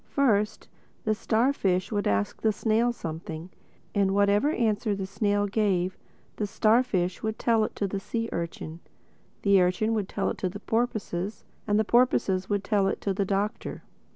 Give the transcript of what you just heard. First the starfish would ask the snail something; and whatever answer the snail gave, the starfish would tell it to the sea urchin, the urchin would tell it to the porpoises and the porpoises would tell it to the Doctor.